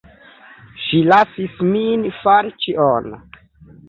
Ŝi lasis min fari ĉion.